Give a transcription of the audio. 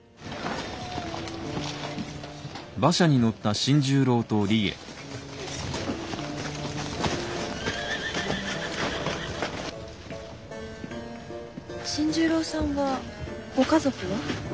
新十郎さんはご家族は？